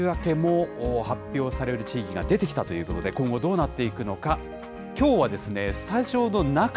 さあ、梅雨明けも発表される地域が出てきたということで、今後、どうなっていくのか。